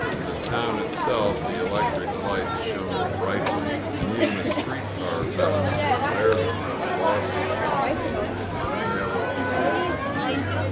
In the town itself the electric lights shone brightly, and even a street car bound for Lerdo lost itself behind the Cerro de la Fila.